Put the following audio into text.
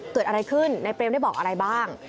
เกิดอะไรขึ้นนายเปรมได้บอกอะไรบ้าง